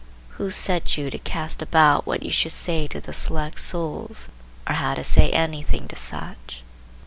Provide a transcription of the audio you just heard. Who set you to cast about what you should say to the select souls, or how to say any thing to such?